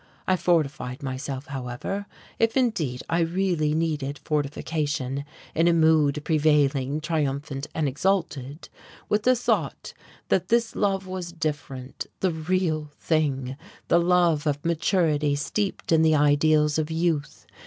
I fortified myself, however, if indeed I really needed fortification in a mood prevailingly triumphant and exalted, with the thought that this love was different, the real thing, the love of maturity steeped in the ideals of youth.